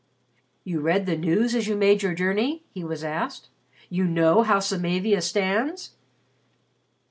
"You read the news as you made your journey?" he was asked. "You know how Samavia stands?"